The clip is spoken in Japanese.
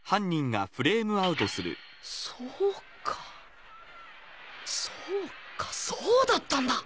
そうかそうかそうだったんだ！